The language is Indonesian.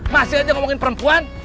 masih aja ngomongin perempuan